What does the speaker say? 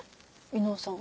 伊能さん！